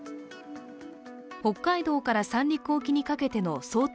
北海道から三陸沖にかけての想定